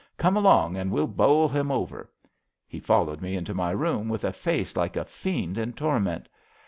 * Come along and we'll bowl him over.' He fol lowed me into my room with a face like a fiend in torment.